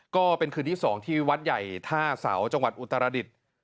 ก็เป็นคืนที่๒ที่วัดใหญ่ท่าเสาจังหวัดอุตรดิษฐ์